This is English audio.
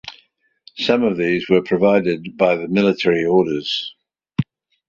Some of these were provided by the Military Orders.